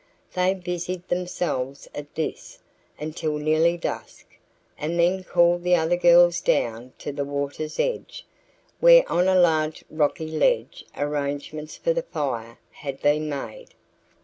They busied themselves at this until nearly dusk and then called the other girls down to the water's edge, where on a large rocky ledge arrangements for the fire had been made.